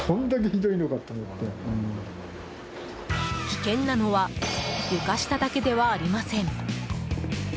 危険なのは床下だけではありません。